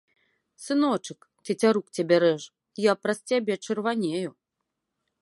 Сыночак, цецярук цябе рэж, я праз цябе чырванею.